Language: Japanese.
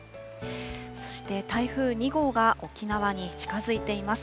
そして台風２号が沖縄に近づいています。